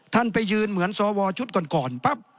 ไปยืนเหมือนสวชุดก่อนปั๊บ